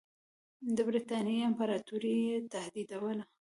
د برټانیې امپراطوري یې تهدیدوله.